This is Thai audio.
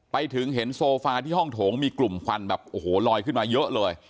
ไปถึงเห็นโซฟาที่ห้องโถงมีกลุ่มควันแบบโอ้โหลอยขึ้นมาเยอะเลย